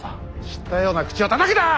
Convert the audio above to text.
知ったような口をたたくな！